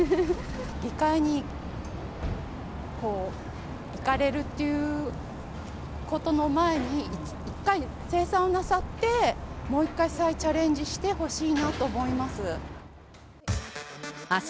議会に行かれるということの前に、一回清算をなさって、もう一回再チャレンジしてほしいなと思います。